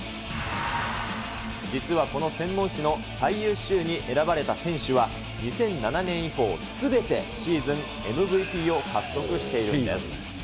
実はこの専門誌の最優秀に選ばれた選手は、２００７年以降すべてシーズンＭＶＰを獲得しているんです。